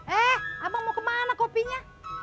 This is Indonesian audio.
eh abang mau kemana kopinya